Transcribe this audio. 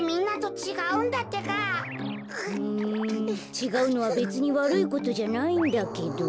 ちがうのはべつにわるいことじゃないんだけど。